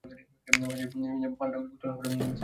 মাঝের পালটা উত্তলোন করো, মিস মেরিনো।